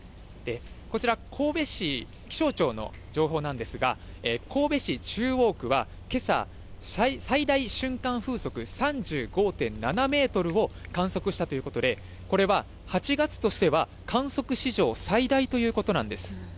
こちら、神戸市、気象庁の情報なんですが、神戸市中央区はけさ最大瞬間風速３５．７メートルを観測したということで、これは８月としては観測史上最大ということなんです。